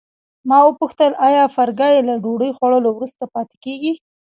ما وپوښتل آیا فرګي له ډوډۍ خوړلو وروسته پاتې کیږي.